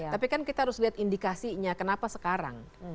tapi kan kita harus lihat indikasinya kenapa sekarang